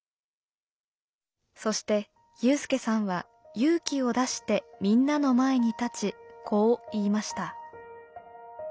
そして有さんは勇気を出してみんなの前に立ちこう言いました。